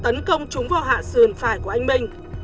tấn công chúng vào hạ sườn phải của anh minh